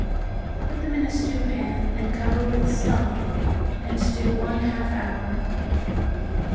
Put them in a stew pan and cover with stock and stew one half hour.